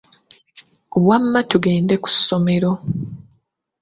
Wamma tugende ku ssomero.